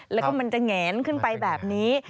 แล้วก็มันจะแงนขึ้นไปแบบนี้